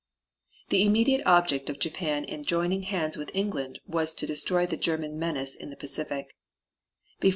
The immediate object of Japan in joining hands with England was to destroy the German menace in the Pacific.